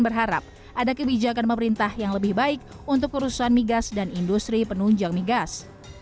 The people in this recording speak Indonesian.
berharap ada kebijakan pemerintah yang lebih baik untuk perusahaan migas dan industri penunjang migas